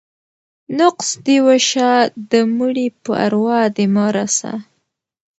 ـ نقص دې وشه ، د مړي په اروا دې مه رسه.